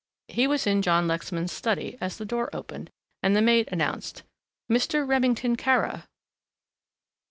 He was in John Lexman's study as the door opened and the maid announced, "Mr. Remington Kara."